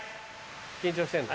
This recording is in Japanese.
緊張してんの？